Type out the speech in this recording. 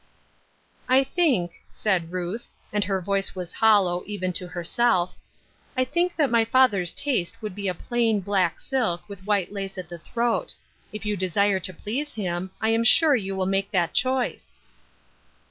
" I think," said Ruth, and her voice was hol low, even to herself, " I think that my father's taste would be a plain, black silk, with white lace at the throat. If you desire to please him, I am sure you will make that choice."